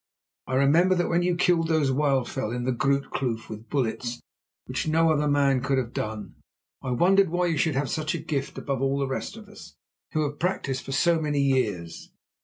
"I remember that when you killed those wildfowl in the Groote Kloof with bullets, which no other man could have done, I wondered why you should have such a gift above all the rest of us, who have practised for so many more years.